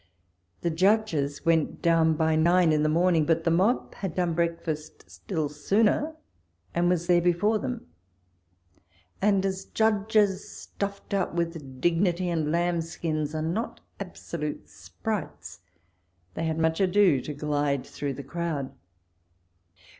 The Judges went down by nine in the morning, but the mob had done breakfast still sooner, and was there before them ; and as Judges stuffed out with dignity and lamb skins are not abso lute sprites, they had much ado to glide through the crowd.